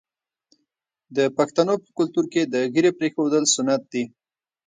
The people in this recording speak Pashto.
د پښتنو په کلتور کې د ږیرې پریښودل سنت دي.